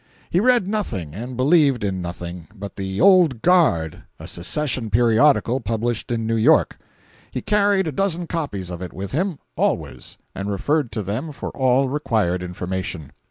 He read nothing, and believed in nothing, but "The Old Guard," a secession periodical published in New York. He carried a dozen copies of it with him, always, and referred to them for all required information.